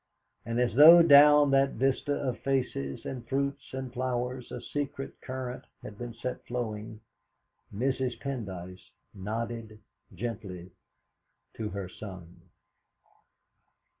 And as though down that vista of faces and fruits and flowers a secret current had been set flowing, Mrs. Pendyce nodded gently to her son.